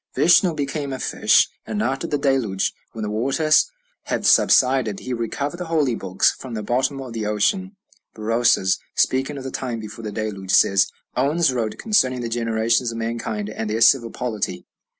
Vishnu became a fish; and after the Deluge, when the waters had subsided, he recovered the holy books from the bottom of the ocean." Berosus, speaking of the time before the Deluge, says: "Oannes wrote concerning the generations of mankind and their civil polity."